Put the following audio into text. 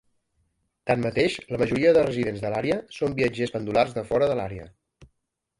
Tanmateix, la majoria de residents de l'àrea són viatgers pendulars de fora de l'àrea.